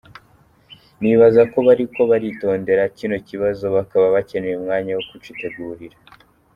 "Nibaza ko bariko baritondera kino kibazo, bakaba bakeneye umwanya wo kucitegurira.